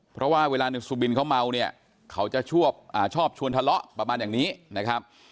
เพราะว่าเวลาในสุบินเขาเมาเนี่ยเขาจะชอบชวนทะเลาะประมาณอย่างนี้นะครับ